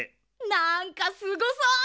なんかすごそう！